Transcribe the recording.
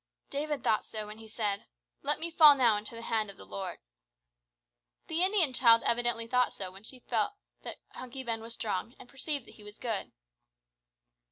David thought so when he said, "Let me fall now into the hand of the Lord." The Indian child evidently thought so when she felt that Hunky Ben was strong and perceived that he was good.